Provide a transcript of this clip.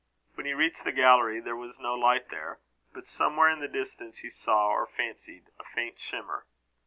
When he reached the gallery, there was no light there; but somewhere in the distance he saw, or fancied, a faint shimmer.